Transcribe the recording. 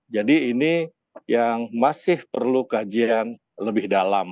jadi ini yang masih perlu kajian lebih dalam